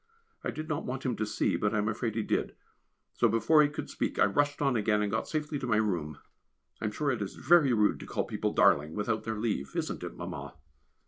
I did not want him to see, but I am afraid he did, so before he could speak I rushed on again and got safely to my room. I am sure it is very rude to call people "darling" without their leave, isn't it, Mamma?